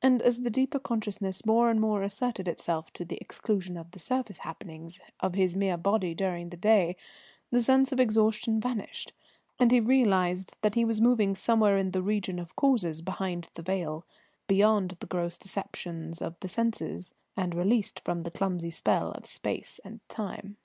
And, as the deeper consciousness more and more asserted itself to the exclusion of the surface happenings of his mere body during the day, the sense of exhaustion vanished, and he realised that he was moving somewhere in the region of causes behind the veil, beyond the gross deceptions of the senses, and released from the clumsy spell of space and time.